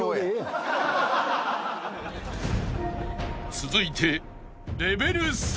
［続いて］